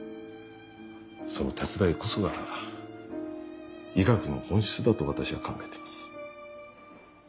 その手伝いこそが医学の本質だと私は考えています。